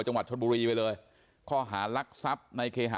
จังหวัดชนบุรีไปเลยข้อหารักทรัพย์ในเคหะ